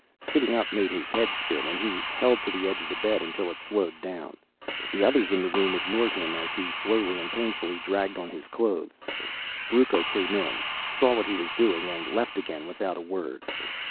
Sitting up made his head spin and he held to the edge of the bed until it slowed down. The others in the room ignored him as he slowly and painfully dragged on his clothes. Brucco came in, saw what he was doing, and left again without a word.